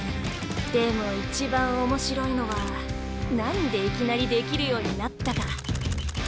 でも一番面白いのは何でいきなりできるようになったか？